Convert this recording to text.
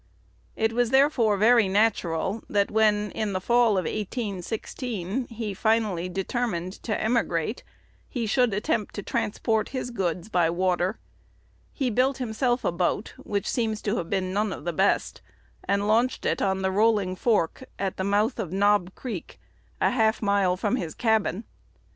It was therefore very natural, that when, in the fall of 1816, he finally determined to emigrate, he should attempt to transport his goods by water. He built himself a boat, which seems to have been none of the best, and launched it on the Rolling Fork, at the mouth of Knob Creek, a half mile from his cabin.